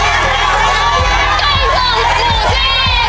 ไก่เซียมปิ้งส่วนขั้นหลายสอง